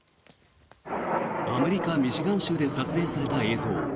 アメリカ・ミシガン州で撮影された映像。